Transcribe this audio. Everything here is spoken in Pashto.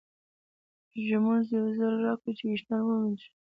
ږومنځ به یو ځل راکړې چې ویښتان مې وږمنځم.